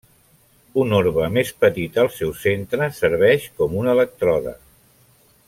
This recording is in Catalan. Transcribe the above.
Un orbe més petit al seu centre serveix com un elèctrode.